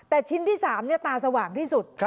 แต่ชิ้นที่๓ตาสว่างที่สุด